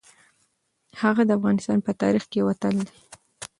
هغه د افغانستان په تاریخ کې یو اتل دی.